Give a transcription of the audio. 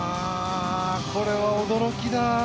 これは驚きだ。